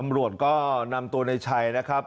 ตำรวจก็นำตัวในชัยนะครับ